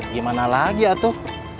gimana lagi atuk